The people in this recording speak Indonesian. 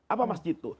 apa masjid itu